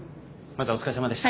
お疲れさまでした。